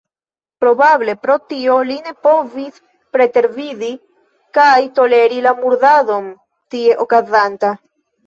Probable pro tio li ne povis pretervidi kaj toleri la murdadon tie okazantan.